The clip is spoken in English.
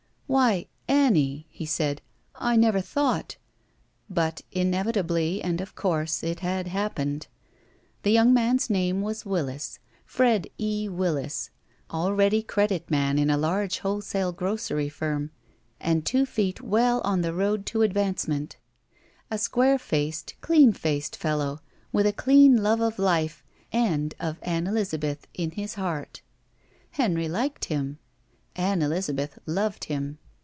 "Why, Annie," he said, "I never thought —" But inevitably and of course it had happened. Th^ young man's name was Willis — ^Fred E. Willis — ^already credit man in a large wholesale grocery firm and two feet well on the road to advance ment. A square faced, clean faced fellow, with a clean love of life and of Ann Elizabeth in his heart. Henry liked him. Ann Elizabeth loved him.